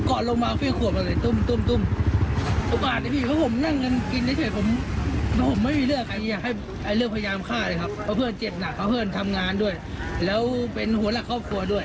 โอ้โหโอ้โหโอ้โหโอ้โห